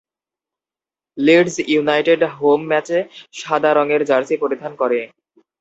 Leeds United home ম্যাচে সাদা রঙের জার্সি পরিধান করে।